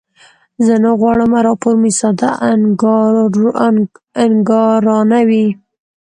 زه نه غواړم راپور مې ساده انګارانه وي.